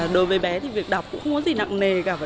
đối với bé thì việc đọc cũng không có gì nặng nề cả